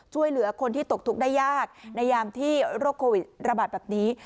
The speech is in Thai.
ช่วยเหลือคนที่ตกทุกข์ได้ยากในยามที่โรคโควิดระบาดแบบนี้